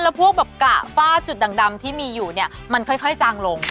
แล้วพวกแบบกะฝ้าจุดดังที่มีอยู่เนี่ยมันค่อยจางลง